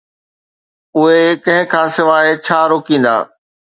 اهي ڪنهن کان سواءِ ڇا روڪيندا؟